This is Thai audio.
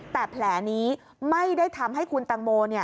แต่แผลนี้ไม่ได้ทำให้คุณตังโม